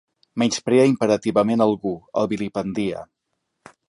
Menysprea imperativament algú, el vilipendia.